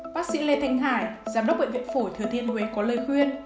bác sĩ lê thanh hải giám đốc bệnh viện phổi thừa thiên huế có lời khuyên